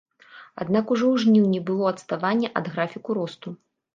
Аднак ужо ў жніўні было адставанне ад графіку росту.